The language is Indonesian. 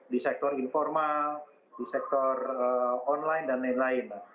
di sektor informal di sektor online dan lain lain